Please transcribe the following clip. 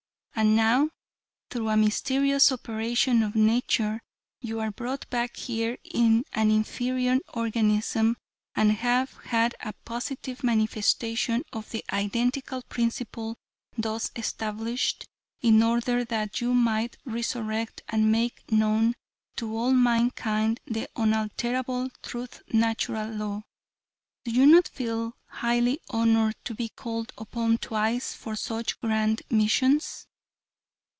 And now, through a mysterious operation of nature you are brought back here in an inferior organism and have had a positive manifestation of the identical principle thus established, in order that you might resurrect and make known to all mankind the unalterable truth Natural Law. Do you not feel highly honored to be called upon twice for such grand missions?"